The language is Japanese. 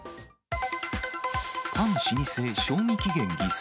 パン老舗、賞味期限偽装。